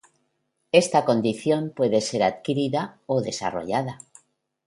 Esta condición puede ser adquirida o desarrollada.